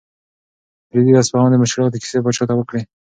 رېدي د اصفهان د مشکلاتو کیسې پاچا ته وکړې.